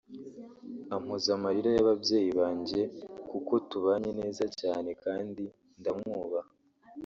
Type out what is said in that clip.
ampoza amarira y’ababyeyi banjye kuko tubanye neza cyane kandi ndamwubaha